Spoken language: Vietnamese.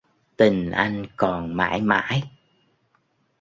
Tình anh còn mãi mãi.